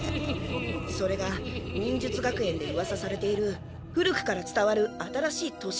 それが忍術学園でうわさされている古くからつたわる新しい都市